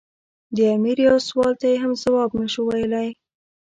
د امیر یوه سوال ته یې هم ځواب نه شو ویلای.